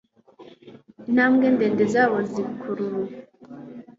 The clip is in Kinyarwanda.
intambwe ndende zabo zikurura